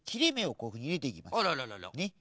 あらららら。